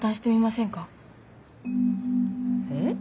えっ？